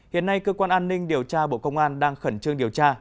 hiện nay cơ quan an ninh điều tra bộ công an đang khẩn trương điều tra